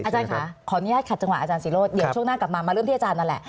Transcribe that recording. อาจารย์ค่ะขออนุญาตขัดจังหวะอาจารย์ศิโรธเดี๋ยวช่วงหน้ากลับมามาเริ่มที่อาจารย์นั่นแหละ